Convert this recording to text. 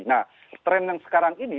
nah tren yang sekarang ini